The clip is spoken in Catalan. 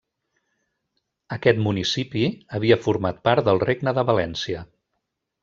Aquest municipi havia format part del Regne de València.